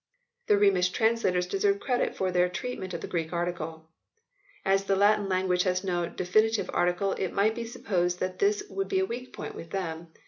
The Rhemish translators deserve credit for their treatment of the Greek article As the Latin language has no definite article it might be supposed that this would be a weak point with them.